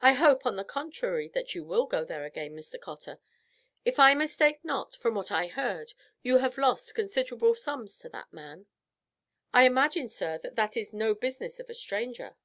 "I hope, on the contrary, that you will go there again, Mr. Cotter. If I mistake not, from what I heard, you have lost considerable sums to that man." "I imagine, sir, that that is no business of a stranger."